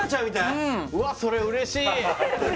うわそれ嬉しい？